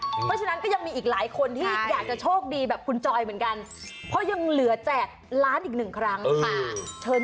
เพราะฉะนั้นก็ยังมีอีกหลายคนที่อยากจะโชคดีแบบคุณจอยเหมือนกัน